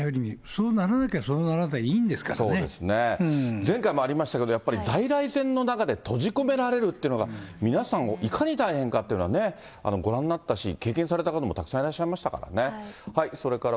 前回もありましたけれども、やっぱり在来線の中で閉じ込められるっていうのが、皆さん、いかに大変かっていうのは、ご覧になったし、経験された方もたくさんいらっしゃいましたからね。